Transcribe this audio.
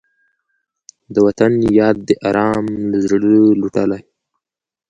د وطن یاد دې ارام له زړه لوټلی